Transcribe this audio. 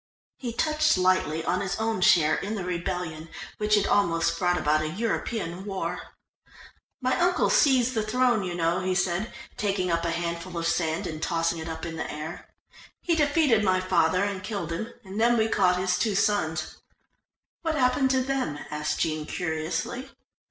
He touched lightly on his own share in the rebellion which had almost brought about a European war. "My uncle seized the throne, you know," he said, taking up a handful of sand and tossing it up in the air. "He defeated my father and killed him, and then we caught his two sons." "What happened to them?" asked Jean curiously.